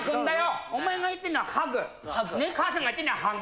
お前が言ってんのは「吐く」母さんが言ってんのは「掃ぐ？」